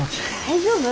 大丈夫？